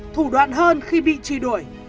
thủ đoạn hơn khi bị truy đổi